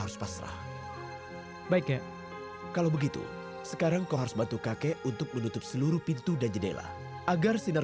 suci terserah untuk majorsung di dunia ini